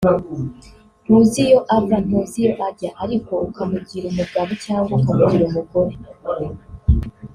ntuzi iyo ava ntuzi iyo ajya ariko ukamugira umugabo cyangwa ukamugira umugore